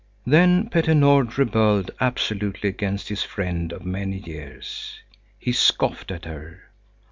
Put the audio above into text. Then Petter Nord rebelled absolutely against his friend of many years. He scoffed at her.